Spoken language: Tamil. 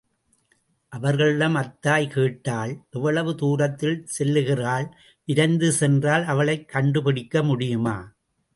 அவர்களிடம் அத் தாய் கேட்டாள், எவ்வளவு தூரத்தில் செல்லுகிறாள் விரைந்து சென்றால், அவளைக் கண்டுபிடிக்க முடியுமா?